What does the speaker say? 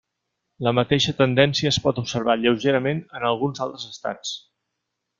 La mateixa tendència es pot observar lleugerament en alguns altres estats.